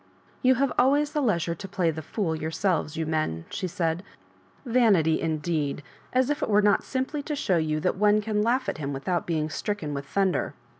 " You have always the leisure to play the fool yourselves, you men," she said. " Vanity, in deed I as if it were not simply to show you that one can laugh at him without being stricken with thunder.